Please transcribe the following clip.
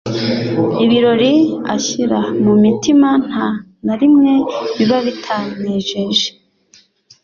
Ibirori ashyira mu mutima nta na rimwe biba bitanejeje.